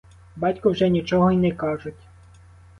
Батько вже нічого й не кажуть.